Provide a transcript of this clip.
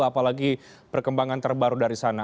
apalagi perkembangan terbaru dari sana